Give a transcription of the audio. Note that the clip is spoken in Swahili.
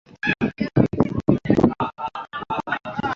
Zinedine Yazid Zidane maarufu kama Zizou ni jina lenye kumbukumbu